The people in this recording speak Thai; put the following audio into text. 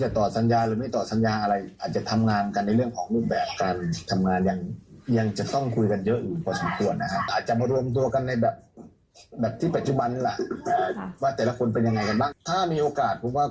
อ่ะไปฟังคำตอบจากพี่อีทกันหน่อยค่ะ